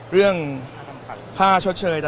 เรื่องค่าชดเชย